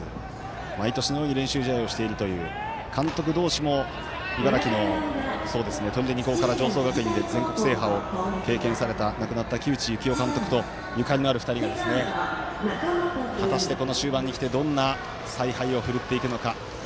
毎年のように練習試合をしているという監督同士も茨城の取手二高から常総学院で全国制覇を果たした亡くなられた、木内幸男監督とゆかりのある２人が果たして、この終盤にきて采配をふるっていくのか。